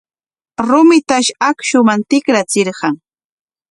Rumitash akshuman tikrachirqan.